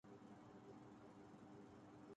وہ ہمیشہ خوش نہیں رہ سکتا